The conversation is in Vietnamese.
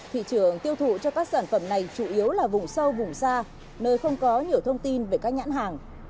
thị trường tiêu thụ cho các sản phẩm này chủ yếu là vùng sâu vùng xa nơi không có nhiều thông tin về các nhãn hàng